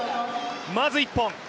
まず１本。